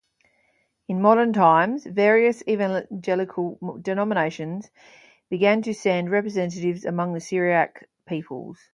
In modern times, various Evangelical denominations began to send representatives among the Syriac peoples.